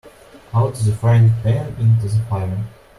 Out of the frying pan into the fire.